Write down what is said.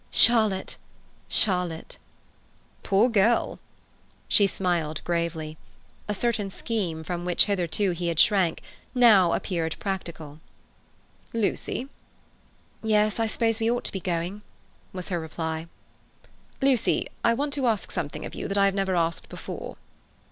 Charlotte—Charlotte." "Poor girl!" She smiled gravely. A certain scheme, from which hitherto he had shrunk, now appeared practical. "Lucy!" "Yes, I suppose we ought to be going," was her reply. "Lucy, I want to ask something of you that I have never asked before."